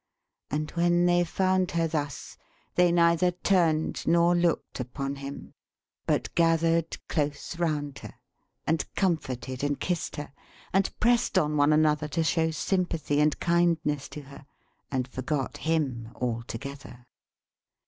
And when they found her thus, they neither turned nor looked upon him, but gathered close round her, and comforted and kissed her: and pressed on one another to show sympathy and kindness to her: and forgot him altogether.